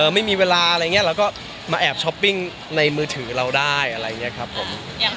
ไม่มีเวลาอะไรงี้ก็มาแอบช้อปปิ้งได้ในมือถือเราได้อะไรนี้ครับผม